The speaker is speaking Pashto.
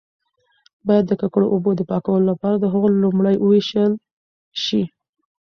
باید د ککړو اوبو د پاکولو لپاره هغوی لومړی وایشول شي.